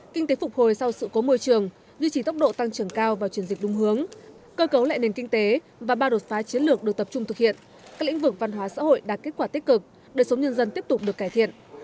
kinh tế phục hồi sau sự cố môi trường duy trì tốc độ tăng trưởng cao và chuyển dịch đúng hướng cơ cấu lại nền kinh tế và ba đột phá chiến lược được tập trung thực hiện các lĩnh vực văn hóa xã hội đạt kết quả tích cực đời sống nhân dân tiếp tục được cải thiện